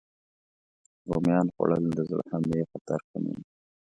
رومیان خوړل د زړه حملې خطر کموي.